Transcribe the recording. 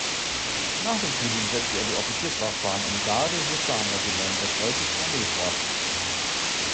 Nach dem Studium setzt er die Offizierslaufbahn im Garde-Husaren-Regiment der Preußischen Armee fort.